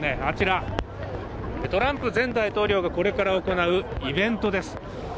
あちらトランプ前大統領がこれから行うイベントです